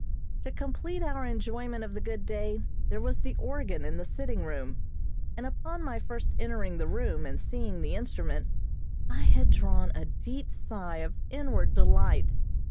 To complete our enjoyment of the good day, there was the organ in the sitting room, and upon my first entering the room, and seeing the instrument I had drawn a deep sigh of inward delight.